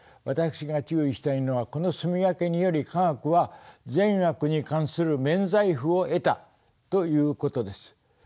私が注意したいのはこの棲み分けにより科学は善悪に関する免罪符を得たということです。